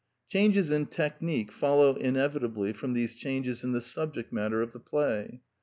Changes in technique follow inevitably from these changes in the subject matter of the play.